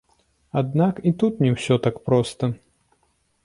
Аднак і тут не ўсё так проста.